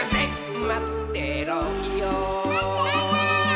まってろよ−！